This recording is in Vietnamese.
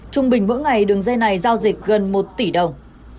trung bình mỗi ngày đường dây này giao dịch gần một tỷ đồng